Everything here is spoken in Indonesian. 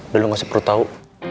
belum gak sepenuh tau